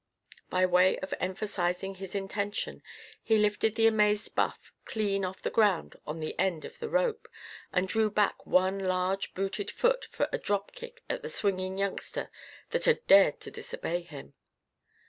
By way of emphasising his intention, he lifted the amazed Buff clean off the ground on the end of the rope, and drew back one large booted foot for a drop kick at the swinging youngster that had dared to disobey him.